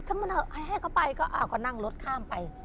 เช่นมันให้เขาไปก็เอ้าก็นั่งรถข้ามไป